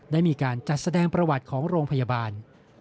ได้มีการจัดแสดงประวัติของโรงพยาบาล